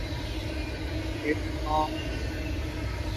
El río no es parte del parque.